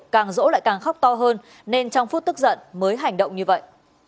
càng rỗ lại càng khóc to hơn nên trong phút tức giận mới hành động như vậy